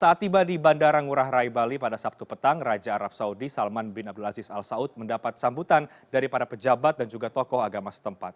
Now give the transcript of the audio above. saat tiba di bandara ngurah rai bali pada sabtu petang raja arab saudi salman bin abdul aziz al saud mendapat sambutan dari para pejabat dan juga tokoh agama setempat